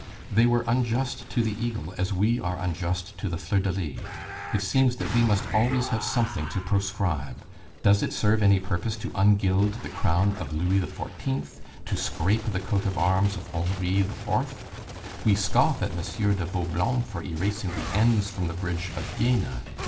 They were unjust to the eagle, we are unjust to the fleur de lys. It seems that we must always have something to proscribe! Does it serve any purpose to ungild the crown of Louis XIV., to scrape the coat of arms of Henry IV.? We scoff at M. de Vaublanc for erasing the N's from the bridge of Jena!